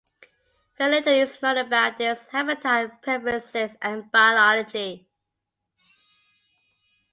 Very little is known about its habitat preferences and biology.